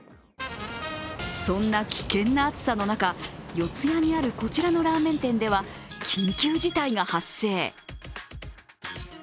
そんな危険な暑さの中四谷にある、こちらのラーメン店では緊急事態が発生。